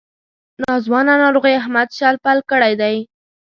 ناځوانه ناروغۍ احمد شل پل کړی دی.